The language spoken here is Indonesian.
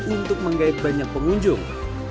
untuk menggait banyak pengunjung